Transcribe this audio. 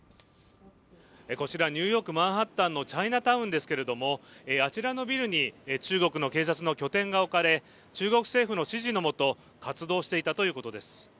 こちらニューヨーク・マンハッタンのチャイナタウンですけれども、あちらのビルに中国の警察の拠点が置かれ中国政府の指示のもと、活動していたということです。